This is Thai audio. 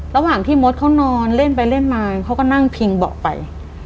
ระหว่างที่มดเขานอนเล่นไปเล่นมาเขาก็นั่งพิงเบาะไป